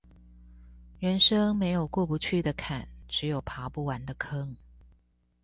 人生沒有過不去的坎，只有爬不完的坑